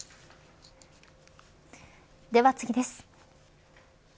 では次です。